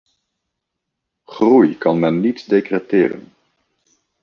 Groei kan men niet decreteren.